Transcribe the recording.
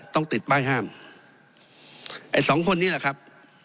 ต้องติดป้ายห้ามไอ้สองคนนี้แหละครับ